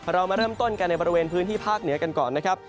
เรามาเริ่มต้นกันในบริเวณพื้นที่ภาคเหนือกันก่อนนะครับ